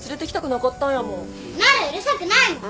なるうるさくないもん！